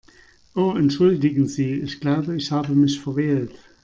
Oh entschuldigen Sie, ich glaube, ich habe mich verwählt.